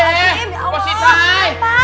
apa kabar pak